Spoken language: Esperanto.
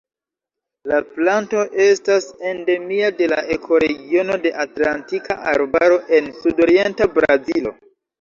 La planto estas endemia de la ekoregiono de Atlantika Arbaro en sudorienta Brazilo.